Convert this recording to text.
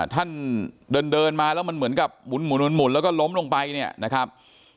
ท่านเดินมาแล้วมันเหมือนกับหมุนแล้วก็ล้มลงไปเนี่ยนะครับ